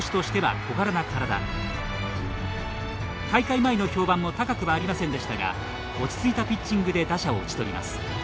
大会前の評判も高くはありませんでしたが落ち着いたピッチングで打者を打ち取ります。